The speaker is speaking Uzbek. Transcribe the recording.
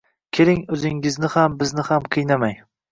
Keling, o‘zingizni ham, bizni ham qiynamang.